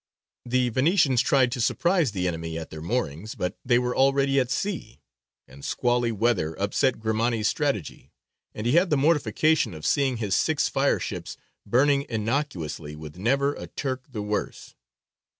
The Venetians tried to surprise the enemy at their moorings, but they were already at sea, and squally weather upset Grimani's strategy and he had the mortification of seeing his six fire ships burning innocuously with never a Turk the worse.